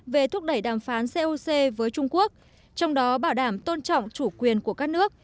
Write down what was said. về thúc đẩy đàm phán coc với trung quốc trong đó bảo đảm tôn trọng chủ quyền của các nước